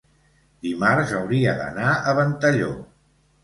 dimarts hauria d'anar a Ventalló.